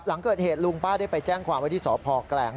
หลังเกิดเหตุลุงป้าได้ไปแจ้งความว่าที่สพแกลง